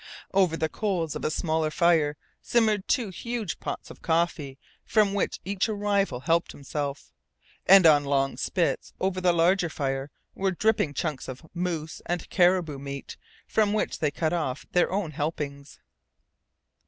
Over the coals of a smaller fire simmered two huge pots of coffee from which each arrival helped himself; and on long spits over the larger fire were dripping chunks of moose and caribou meat from which they cut off their own helpings.